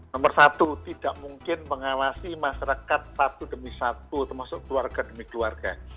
nomor satu tidak mungkin mengawasi masyarakat satu demi satu termasuk keluarga demi keluarga